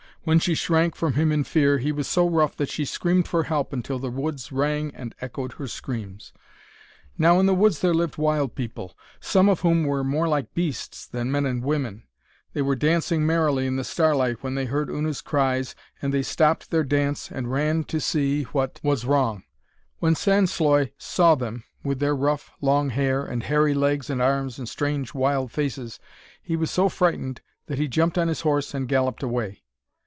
When she shrank from him in fear, he was so rough that she screamed for help until the woods rang and echoed her screams. Now in the woods there lived wild people, some of whom were more like beasts than men and women. They were dancing merrily in the starlight when they heard Una's cries, and they stopped their dance and ran to see what was wrong. When Sansloy saw them, with their rough long hair and hairy legs and arms and strange wild faces, he was so frightened that he jumped on his horse and galloped away.